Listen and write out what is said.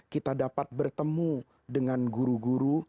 kita dapat bertemu dengan guru guru